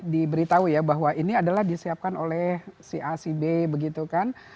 diberitahu ya bahwa ini adalah disiapkan oleh si a si b begitu kan